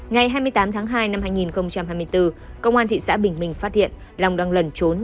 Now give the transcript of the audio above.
ngày hai mươi tám tháng hai năm hai nghìn hai mươi bốn công an thị xã bình minh phát hiện long đang lẩn trốn